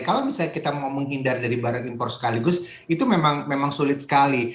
kalau misalnya kita mau menghindar dari barang impor sekaligus itu memang sulit sekali